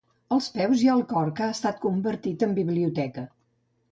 Als peus hi ha el cor que ha estat convertit en biblioteca.